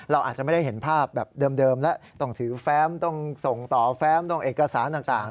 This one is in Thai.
เราอาจจะไม่ได้เห็นภาพแบบเดิมแล้วต้องถือแฟ้มต้องส่งต่อแฟ้มต้องเอกสารต่าง